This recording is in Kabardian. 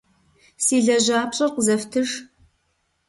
Си лэжьапщӏэр къызэфтыж!